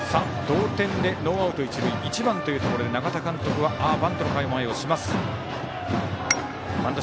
同点でノーアウト、一塁１番というところで永田監督はバントのサイン。